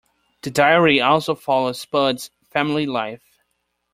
The diary also follows Spud's family life.